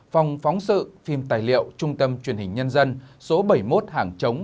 phòng phóng sự phim tài liệu trung tâm truyền hình nhân dân số bảy mươi một hàng chống